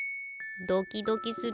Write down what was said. ドキドキする。